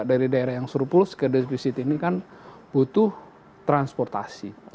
dari daerah yang surplus ke defisit ini kan butuh transportasi